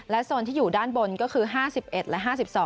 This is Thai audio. โซนที่อยู่ด้านบนก็คือ๕๑และ๕๒